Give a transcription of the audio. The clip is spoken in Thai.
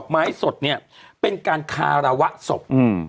ไม้สดเนี่ยเป็นการคารวะศพ